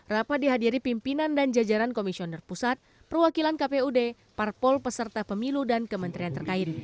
rapat dihadiri pimpinan dan jajaran komisioner pusat perwakilan kpud parpol peserta pemilu dan kementerian terkait